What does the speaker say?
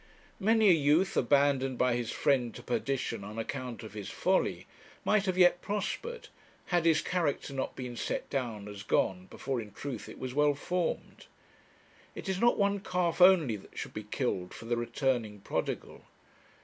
Many a youth, abandoned by his friends to perdition on account of his folly, might have yet prospered, had his character not been set down as gone, before, in truth, it was well formed. It is not one calf only that should be killed for the returning prodigal.